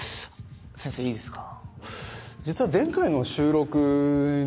先生いいですか。